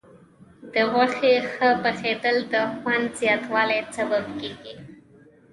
د غوښې ښه پخېدل د خوند زیاتوالي سبب کېږي.